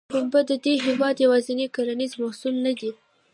پنبه د دې هېواد یوازینی کرنیز محصول نه دی.